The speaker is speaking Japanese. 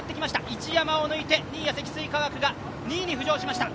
一山を抜いて、新谷、積水化学が２位に浮上しました。